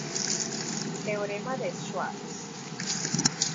Teorema de Schwartz.